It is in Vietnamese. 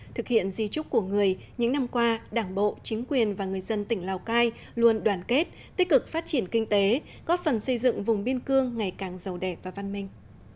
thực hiện di trúc của người những năm qua đảng bộ chính quyền và người dân tỉnh lào cai luôn đoàn kết tích cực phát triển kinh tế góp phần xây dựng vùng biên cương ngày càng giàu đẹp và văn minh